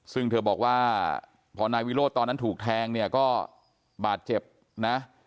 ซึ่งเธอบอกว่าพอนายวิโรธตอนนั้นถูกแทงเนี่ยก็บาดเจ็บนะ